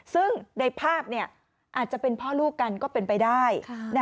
ซึ่งในภาพอาจจะเป็นพ่อลูกกันก็เป็นไปได้